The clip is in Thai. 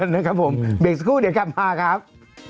นะครับผมเบรกสักครู่เดี๋ยวกลับมาครับ